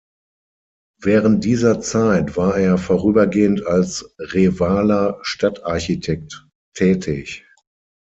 Während dieser Zeit war er vorübergehend als Revaler Stadtarchitekt tätig.